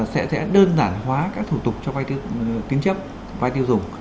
sẽ đơn giản hóa các thủ tục cho vai tiêu dùng